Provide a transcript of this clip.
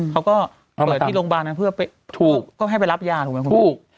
เขาก็เกิดที่โรงพยาบาลนั้นเพื่อให้ไปรับยาถูกไหมคุณบุ๊ก